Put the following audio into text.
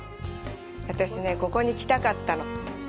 私ね、ここに来たかったの。